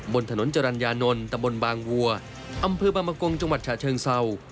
บนถนนจรรยานนท์ตะบนบางวัวอำเภอบางมะกงจังหวัดฉะเชิงเศร้า